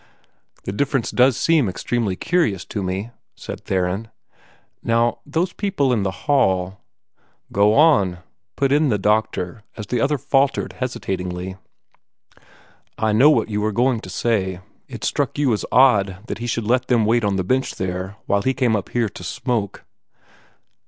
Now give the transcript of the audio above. "The difference does seem extremely curious to me," said Theron. "Now, those people in the hall " "Go on," put in the doctor, as the other faltered hesitatingly. "I know what you were going to say. It struck you as odd that he should let them wait on the bench there, while he came up here to smoke."